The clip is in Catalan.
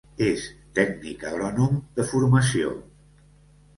És Tècnic Agrònom de formació.